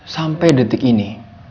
sampai detik ini